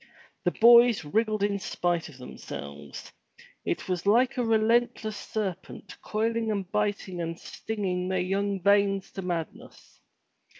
The boys wriggled in spite of themselves. It was like a relentless serpent coiling and biting and stinging their young veins to madness.